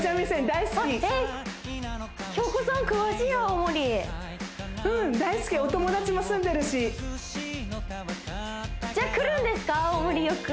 大好きお友達も住んでるしじゃ来るんですか青森よく？